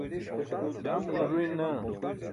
ulo ẓuyin naa